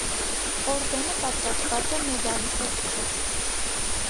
Օրդենը պատրաստված է մեդալի տեսքով։